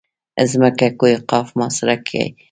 ځمکه کوه قاف محاصره کې انګېري.